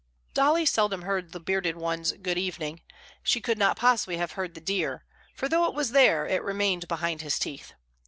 Dolly seldom heard the bearded one's "good evening"; she could not possibly have heard the "dear," for though it was there, it remained behind his teeth.